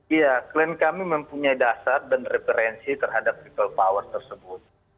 iya klien kami mempunyai dasar dan referensi terhadap people power tersebut